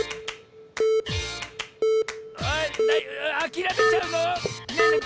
あれあきらめちゃうの⁉ねえねえ